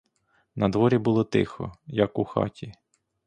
Надворі було тихо, як у хаті.